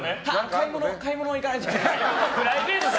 買い物行かないといけないので。